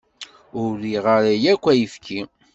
Ur riɣ ara akk ayefki.